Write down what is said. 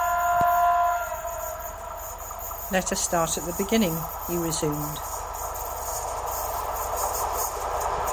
"Let us start at the beginning," he resumed.